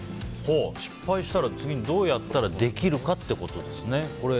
失敗したら次、どうやったらできるかってことですね。